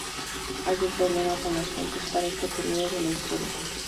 Hay un problema con las fuentes para este periodo de la historia.